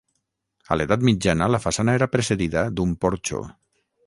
A l'Edat Mitjana, la façana era precedida d'un porxo.